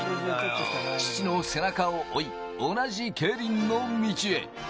父の背中を追い、同じ競輪の道へ。